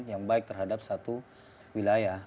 yang baik terhadap satu wilayah